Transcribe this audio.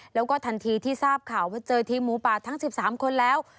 แล้วก็ทันทีที่ทราบข่าวว่าเจอทีมหมูป่าทั้ง๑๓คนแล้ว